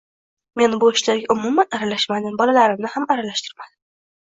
Men bu ishlarga umuman aralashmadim, bolalarimni ham aralashtirmadim